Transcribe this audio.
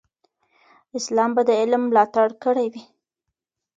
اسلام به د علم ملاتړ کړی وي.